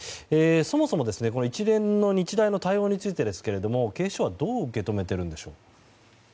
そもそも一連の日大の対応についてですが警視庁はどう受け止めているんでしょう。